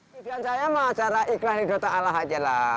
pilihan saya cara iklan hidup saya adalah